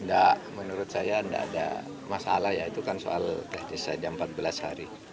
tidak menurut saya tidak ada masalah ya itu kan soal testis saja empat belas hari